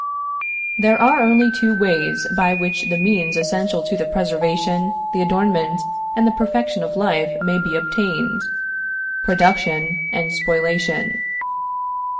There are only two ways by which the means essential to the preservation, the adornment and the perfection of life may be obtained production and spoliation.